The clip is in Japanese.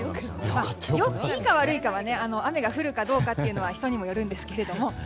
いいか悪いか雨が降るかどうかは人にもよるんですけども。